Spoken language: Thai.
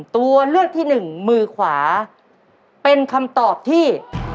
ตัวเลือกที่หนึ่งมือขวาเป็นคำตอบที่